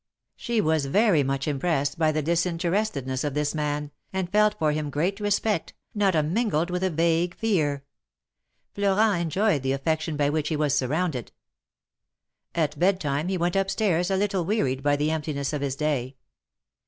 She was very much impressed by the disinterestedness of this man, and felt for him great respect, not unmingled with a vague fear. Florent enjoyed the affection by which he was surrounded. At bed time he went up stairs a little wearied by the emptiness of his day.